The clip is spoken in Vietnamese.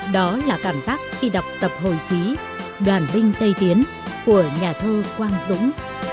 đó là cảm giác khi đọc tập hồi phí đoàn vinh tây tiến của nhà thơ quang dũng